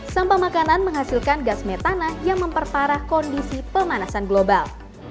sampah makanan menghasilkan gas metana yang memperparah kondisi pemanasan global